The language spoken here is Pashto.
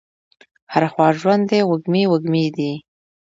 هره خوا ژوند دی وږمې، وږمې دي